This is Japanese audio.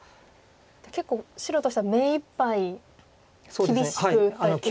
じゃあ結構白としては目いっぱい厳しく打ってるところですか。